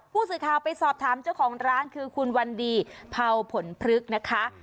ผู้สื่อข่าวไปสอบถามเจ้าของร้านคือคุณวันดีเผาผลพลึกนะคะ